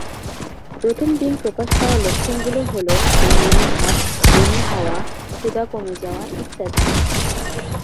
প্রথম দিন প্রকাশ পাওয়া লক্ষণগুলো হল বমি বমি ভাব, বমি হওয়া, ক্ষুধা কমে যাওয়া ইত্যাদি।